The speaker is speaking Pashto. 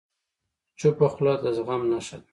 چپه خوله، د زغم نښه ده.